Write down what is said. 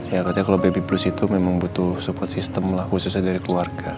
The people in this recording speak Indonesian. ya katanya kalau baby brusse itu memang butuh support system lah khususnya dari keluarga